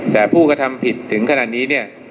แต่ผู้กระทำผิดถึงขนาดนี้เนี่ย